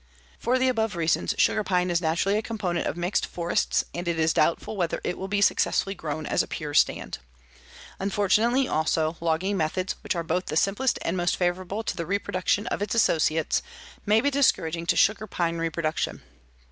For the above reasons, sugar pine is naturally a component of mixed forests and it is doubtful whether it will be successfully grown as a pure stand. Unfortunately, also, logging methods which are both the simplest and most favorable to the reproduction of its associates may be discouraging to sugar pine reproduction.